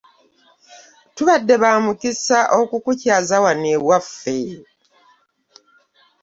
Tubadde ba mukisa okukukyaza wano ewaffe.